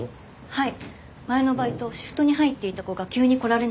はい。